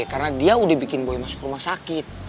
karena dia sudah bikin boy masuk rumah sakit